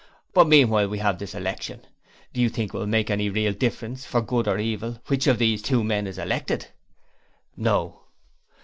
But meanwhile we have this election. Do you think it will make any real difference for good or evil which of these two men is elected?' 'No.'